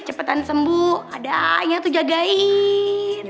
cepetan sembuh adanya tuh jagain